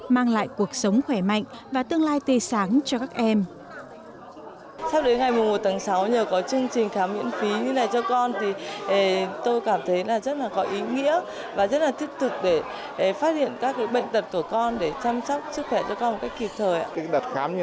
mang lại cuộc sống khỏe mạnh và tương lai tê sáng cho các em